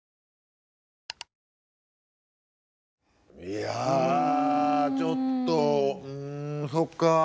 いやちょっとうんそっか。